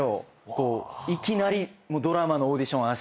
こういきなり。